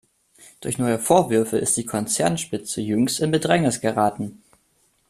Durch neue Vorwürfe ist die Konzernspitze jüngst in Bedrängnis geraten.